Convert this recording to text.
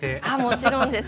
もちろんです。